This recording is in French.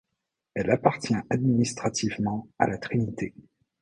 Elle appartient administrativement à La Trinité.